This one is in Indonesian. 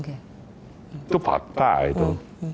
itu patah itu